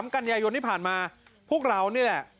กันยายนที่ผ่านมาพวกเรานี่แหละ